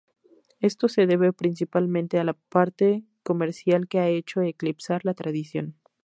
Esto se debe principalmente a la parte comercial que ha hecho eclipsar la tradición.